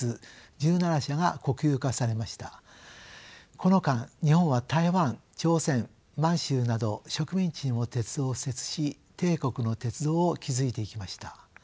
この間日本は台湾朝鮮満州など植民地にも鉄道を敷設し帝国の鉄道を築いていきました。